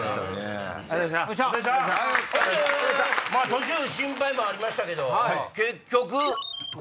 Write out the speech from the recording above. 途中心配もありましたけど結局？